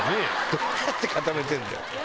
どうやって固めてんだよ。